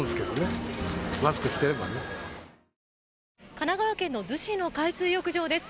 神奈川県の逗子の海水浴場です。